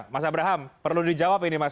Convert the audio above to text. mas abraham perlu dijawab ini mas